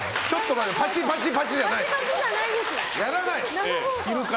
パチパチパチじゃない！やらない！